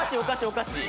おかしい